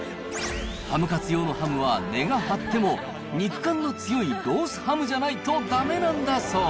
ハムカツ用のハムは値が張っても、肉感の強いロースハムじゃないとだめなんだそう。